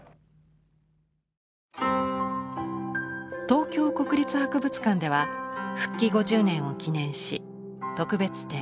東京国立博物館では復帰５０年を記念し特別展